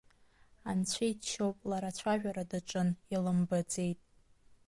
Анцәа иџьшьоуп лара ацәажәара даҿын, илымбаӡеит.